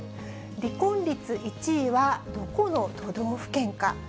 離婚率１位はどこの都道府県か。